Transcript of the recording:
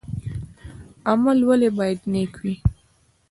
عمل ولې باید نیک وي؟